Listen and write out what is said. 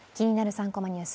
３コマニュース」